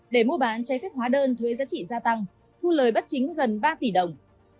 để mua bán trái phép hóa đơn thuế giá trị gia tăng thu lời bất chính gần ba tỷ đồng